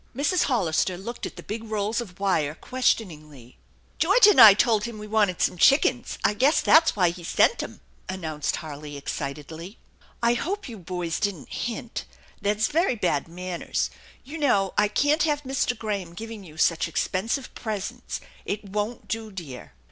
;Mrs. Hollister looked at the big rolls of wire questioningly; " George and I told him we wanted some chickens. I gnesa that's why he sent 'em," announced Harley excitedly. THE ENCHANTED BARN 157 " I hope you boys didn't hint. That's very bad manners. You know I can't have Mr. Graham giving you such expensive presents; it won't do, dear."